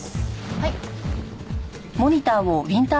はい。